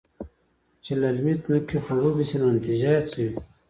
چې للمې زمکې خړوبې شي نو نتيجه يې څۀ وي؟